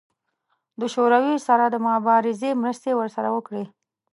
د شوروي سره د مبارزې مرستې ورسره وکړي.